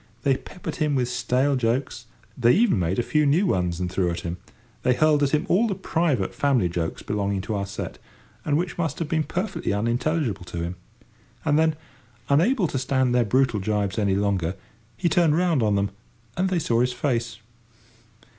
They peppered him with stale jokes, they even made a few new ones and threw at him. They hurled at him all the private family jokes belonging to our set, and which must have been perfectly unintelligible to him. And then, unable to stand their brutal jibes any longer, he turned round on them, and they saw his face!